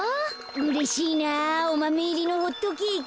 うれしいなおマメいりのホットケーキ。